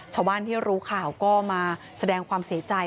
ชาวบ้านที่รู้ข่าวก็มาแสดงความเสียใจ